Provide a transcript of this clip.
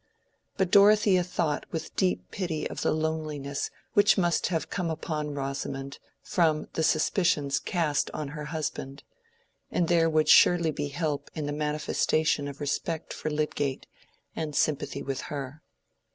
But Dorothea thought with deep pity of the loneliness which must have come upon Rosamond from the suspicions cast on her husband; and there would surely be help in the manifestation of respect for Lydgate and sympathy with her.